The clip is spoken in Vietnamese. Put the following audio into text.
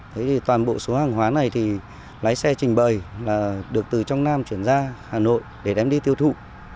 thế thì toàn bộ số hàng hóa này thì lái xe trình bày là được từ trong nam chuyển ra hà nội để đem đi tiêu thụ